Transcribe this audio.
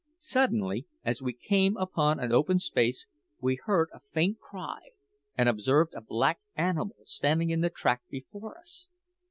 Suddenly, as we came upon an open space, we heard a faint cry, and observed a black animal standing in the track before us.